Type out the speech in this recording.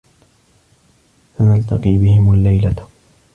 سنلتقي بهم الليلة.